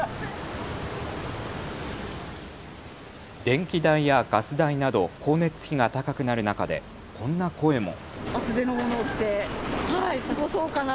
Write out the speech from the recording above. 電気代やガス代など光熱費が高くなる中でこんな声も。